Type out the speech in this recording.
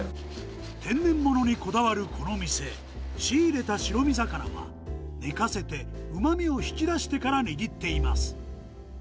天然物にこだわるこの店、仕入れた白身魚は寝かせてうまみを引き出してから握っています。